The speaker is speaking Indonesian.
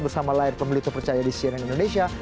bersama layar pemilu terpercaya di cnn indonesia